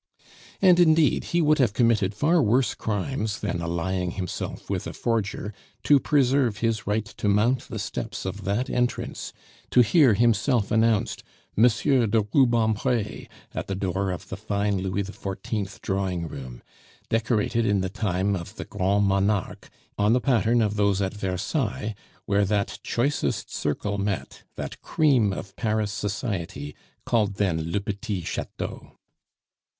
And, indeed, he would have committed far worse crimes than allying himself with a forger to preserve his right to mount the steps of that entrance, to hear himself announced, "Monsieur de Rubempre" at the door of the fine Louis XIV. drawing room, decorated in the time of the grand monarque on the pattern of those at Versailles, where that choicest circle met, that cream of Paris society, called then le petit chateau.